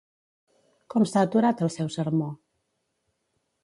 Com s'ha aturat el seu sermó?